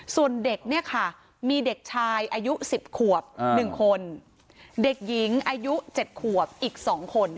ส่วนเด็กเนี่ยค่ะมีเด็กชายอายุ๑๐ขวบ๑คนเด็กหญิงอายุ๗ขวบอีก๒คน